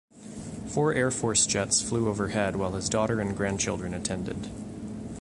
Four Air Force jets flew overhead while his daughter and grandchildren attended.